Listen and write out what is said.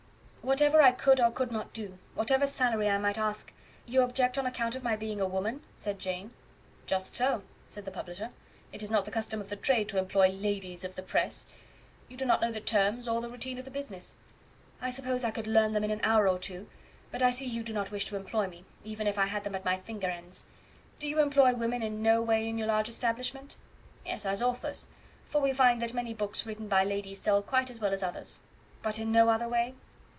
"Whatever I could or could not do whatever salary I might ask you object on account of my being a woman?" said Jane. "Just so," said the publisher; "it is not the custom of the trade to employ LADIES OF THE PRESS. You do not know the terms or the routine of the business." "I suppose I could learn them in an hour or two; but I see you do not wish to employ me, even if I had them at my finger ends. Do you employ women in no way in your large establishment?" "Yes, as authors; for we find that many books written by ladies sell quite as well as others." "But in no other way?"